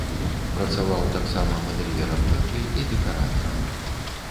Працаваў таксама мадэльерам мэблі і дэкаратарам.